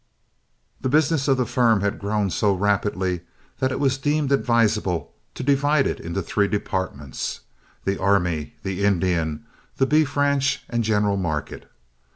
The business of the firm had grown so rapidly that it was deemed advisable to divide it into three departments, the Army, the Indian, the beef ranch and general market.